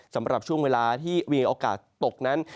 สำหรับช่วงเวลาที่มีโอกาสตกนั้น